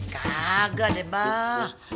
kagak deh pak